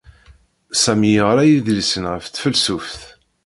Sami yeɣra idlisen ɣef tfelsuft.